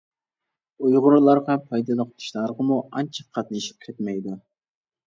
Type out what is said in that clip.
ئۇيغۇرلارغا پايدىلىق ئىشلارغىمۇ ئانچە قاتنىشىپ كەتمەيدۇ.